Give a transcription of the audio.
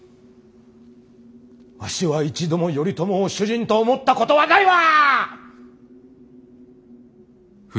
わしは一度も頼朝を主人と思ったことはないわ！